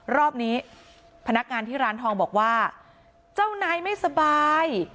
รอบนี้พนักงานที่ร้านทองบอกว่าเจ้านายไม่สบาย